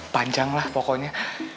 panjang lah pokoknya